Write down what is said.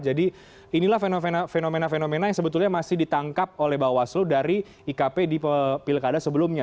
jadi inilah fenomena fenomena yang sebetulnya masih ditangkap oleh bawaslu dari ikp di pilkada sebelumnya